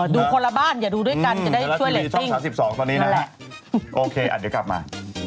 ดูคนละบ้านอย่าดูด้วยกันจะได้ช่วยเล็กติ้งนั่นแหละโอเคเดี๋ยวกลับมา